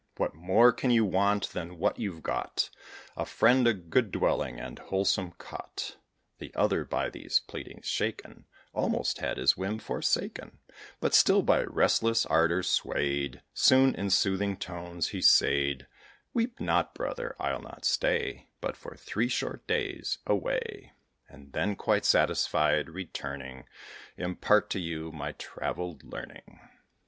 What more can you want than what you've got A friend, a good dwelling, and wholesome cot?" The other, by these pleadings shaken, Almost had his whim forsaken; But still, by restless ardour swayed, Soon, in soothing tones, he said "Weep not, brother, I'll not stay But for three short days away; And then, quite satisfied, returning, Impart to you my travelled learning.